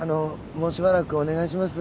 もうしばらくお願いします。